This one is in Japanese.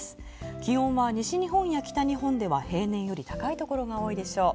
気温は西日本や北日本では平年より高いところが多いでしょう。